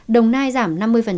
đồng nai giảm năm mươi